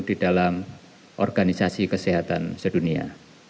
di dalam organisasi kesehatan sedunia